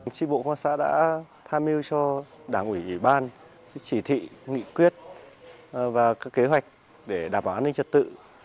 tri bộ công an xã đã tham mưu cho đảng ủy bàn chỉ thị nghị quyết và các kế hoạch để đảm bảo an ninh trả tự